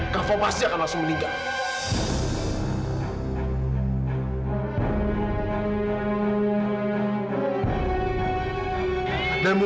kak fa pasti akan langsung meninggal